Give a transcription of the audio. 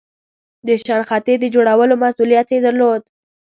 د شنختې د جوړولو مسئولیت یې درلود.